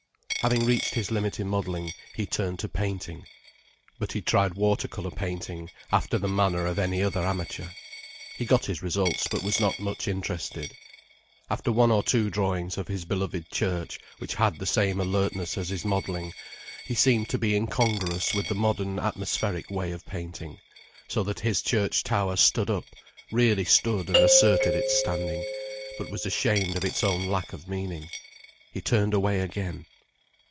Having reached his limit in modelling, he turned to painting. But he tried water colour painting after the manner of any other amateur. He got his results but was not much interested. After one or two drawings of his beloved church, which had the same alertness as his modelling, he seemed to be incongruous with the modern atmospheric way of painting, so that his church tower stood up, really stood and asserted its standing, but was ashamed of its own lack of meaning, he turned away again.